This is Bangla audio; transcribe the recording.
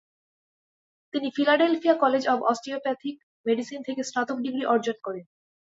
তিনি Philadelphia college of osteopathic medicine থেকে স্নাতক ডিগ্রি অর্জন করেন।